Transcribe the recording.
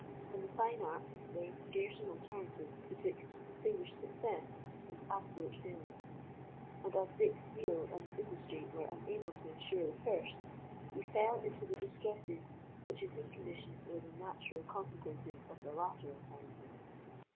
In the fine arts, there is scarce an alternative betwixt distinguished success and absolute failure; and as Dick's zeal and industry were unable to ensure the first, he fell into the distresses which, in his condition, were the natural consequences of the latter alternative.